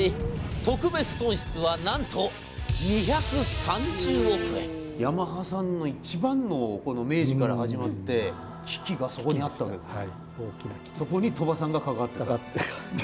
特別損失は、なんとヤマハさんの一番の明治から始まって危機がそこにあったわけですね。